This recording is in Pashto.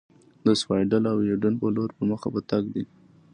د سیوایډل او یوډین په لور پر مخ په تګ دي.